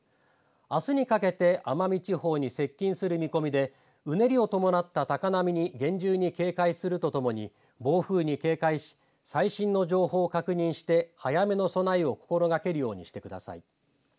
あすにかけて奄美地方に接近する見込みでうねりを伴った高波に厳重に警戒するとともに暴風に警戒し最新の情報を確認して早めの備えを心がけるようにしてください。